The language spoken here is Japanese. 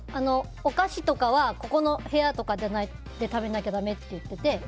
お菓子とかは、ここの部屋とかで食べなきゃだめって言ってて。